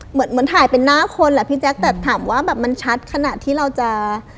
เหมือนเหมือนถ่ายเป็นหน้าคนแหละพี่แจ๊คแต่ถามว่าแบบมันชัดขนาดที่เราจะ